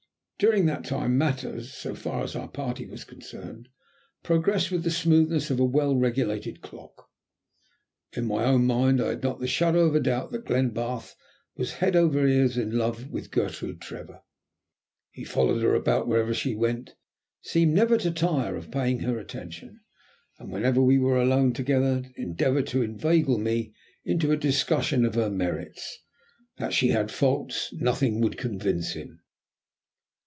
During that time matters, so far as our party was concerned, progressed with the smoothness of a well regulated clock. In my own mind I had not the shadow of a doubt that Glenbarth was head over ears in love with Gertrude Trevor. He followed her about wherever she went; seemed never to tire of paying her attention, and whenever we were alone together, endeavoured to inveigle me into a discussion of her merits. That she had faults nothing would convince him.